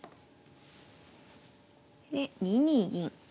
で２二銀。